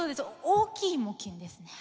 大きい木琴ですね。